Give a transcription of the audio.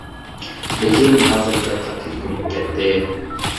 لېكىن ھازىر بەكلا تىز بولۇپ كەتتى.